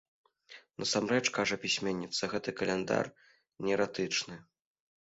Насамрэч, кажа пісьменніца, гэты каляндар неэратычны.